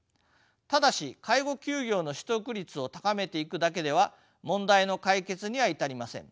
ただし介護休業の取得率を高めていくだけでは問題の解決には至りません。